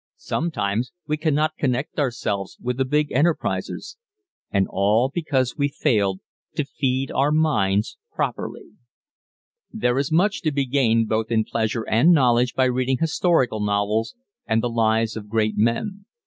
Somehow we cannot connect ourselves with the big enterprises. And all because we failed to feed our minds properly. There is much to be gained both in pleasure and knowledge by reading historical novels, and the lives of great men.